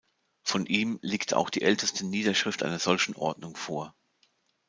Von ihm liegt auch die älteste Niederschrift einer solchen Ordnung vor.